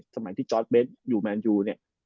สมัยที่เจอร์ทเบสอยู่มันยู